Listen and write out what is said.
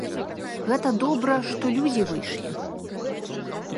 Гэта добра, што людзі выйшлі.